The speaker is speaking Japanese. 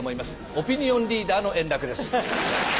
オピニオンリーダーの円楽です。